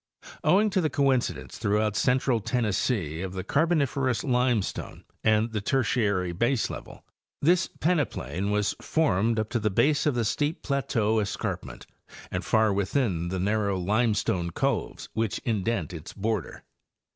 Owing to the coincidence throughout central Tennessee Types of the Tertiary Peneplain. $5 of the Carboniferous limestone and the Tertiary baselevel, this peneplain was formed up to the base of the steep plateau escarp ment and far within the narrow limestone coves which indent its border.